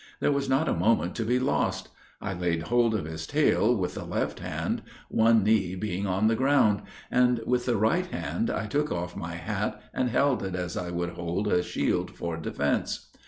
There was not a moment to be lost. I laid hold of his tail with the left hand, one knee being on the ground; and, with the right hand, I took off my hat, and held it as I would hold a shield for defence.